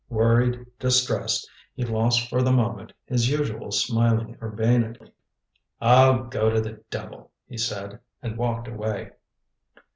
Worried, distressed, he lost for the moment his usual smiling urbanity. "Oh, go to the devil!" he said, and walked away.